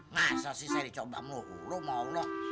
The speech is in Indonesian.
masa sih saya dicoba melulu mau loh